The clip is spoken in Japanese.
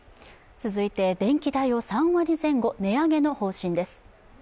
続いて、電気代を３割前後値上げの方針です。